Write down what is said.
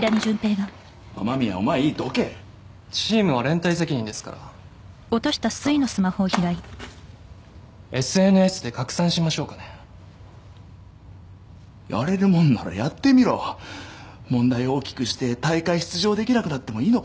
雨宮お前いいどけチームは連帯責任ですからつうかＳＮＳで拡散しましょうかねやれるもんならやってみろ問題大きくして大会出場できなくなってもいいのか？